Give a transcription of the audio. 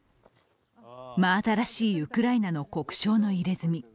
真新しいウクライナの国章の入れ墨。